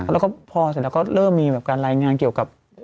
แล้วก็พอเสร็จแล้วก็เริ่มมีการรายงานเกี่ยวกับ